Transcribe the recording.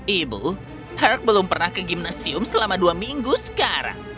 ibu herk belum pernah ke gimnasum selama dua minggu sekarang